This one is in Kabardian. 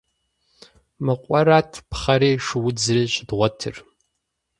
Мы къуэрат пхъэри шыудзри щыдгъуэтыр.